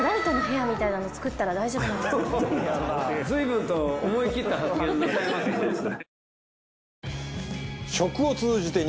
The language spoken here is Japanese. ずいぶんと思い切った発言だね。